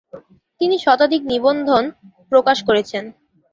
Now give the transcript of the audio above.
তিনি শতাধিক নিবন্ধ প্রকাশ করেছেন।